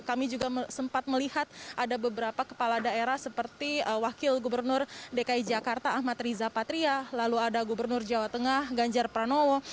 kami juga sempat melihat ada beberapa kepala daerah seperti wakil gubernur dki jakarta ahmad riza patria lalu ada gubernur jawa tengah ganjar pranowo